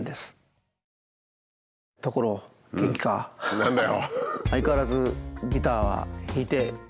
何だよ！